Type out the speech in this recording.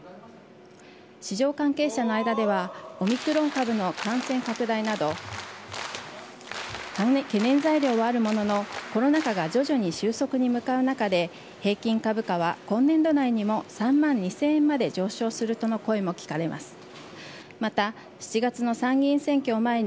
市場関係者の間では、オミクロン株の感染拡大など、懸念材料はあるものの、コロナ禍が徐々に収束に向かう中で、平均株価は今年度内にも３万２０００円まで上昇するとの声も聞かれます。